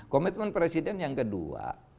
komitmen presiden yang kedua